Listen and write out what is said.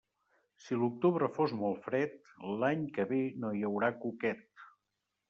Si l'octubre fos molt fred, l'any que ve no hi haurà cuquet.